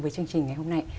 với chương trình ngày hôm nay